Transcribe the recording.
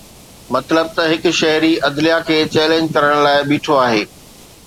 مطلب ته هڪ شهري عدليه کي چئلينج ڪرڻ لاءِ بيٺو آهي